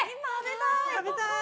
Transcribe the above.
食べたい！